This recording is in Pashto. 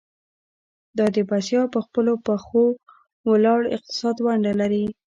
دا د بسیا او پر خپلو پخو ولاړ اقتصاد ونډه لري.